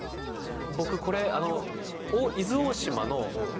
僕これ。